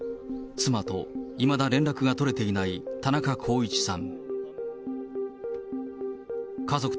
妻といまだ連絡が取れていない田中公一さん。